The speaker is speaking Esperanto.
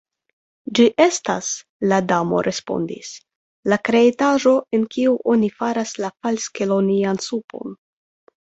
"Ĝi estas," la Damo respondis, "la kreitaĵo, el kiu oni faras la falskelonian supon."